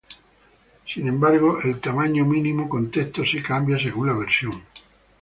Sin embargo, el tamaño mínimo con texto sí cambia según la versión.